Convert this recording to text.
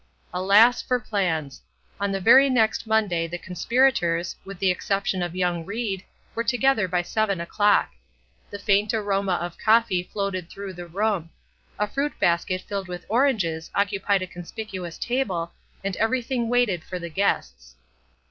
Alas for plans! On the very next Monday the conspirators, with the exception of young Ried, were together by seven o'clock. The faint aroma of coffee floated through the room. A fruit basket filled with oranges occupied a conspicuous table, and everything waited for the guests.